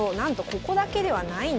ここだけではないんです。